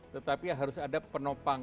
tetapi harus ada penopang